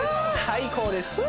最高です！